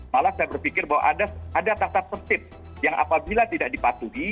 malah saya berpikir bahwa ada tata tertib yang apabila tidak dipatuhi